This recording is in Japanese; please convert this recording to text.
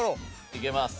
いけます。